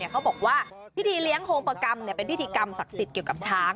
เขาบอกว่าที่ที่เลี้ยงโฮงประกำเป็นที่ที่กำศักดิ์สิทธิ์เกี่ยวกับช้าง